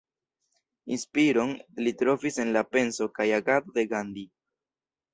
Inspiron li trovis en la penso kaj agado de Gandhi.